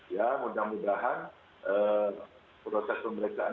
ya mudah mudahan proses pemeriksaan